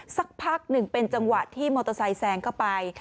สักพักหนึ่งเป็นจังหวะที่มอเตอร์ไซค์แซงเข้าไป